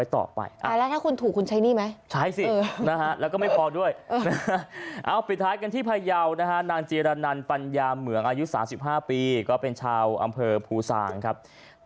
ตามที่ฝันนะครับ